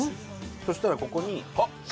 そしたらここにあっ卵？